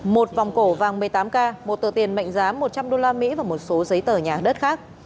một vòng cổ vàng một mươi tám k một tờ tiền mệnh giá một trăm linh usd và một số giấy tờ nhà đất khác